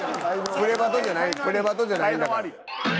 「プレバト！！」じゃない「プレバト！！」じゃないんだから。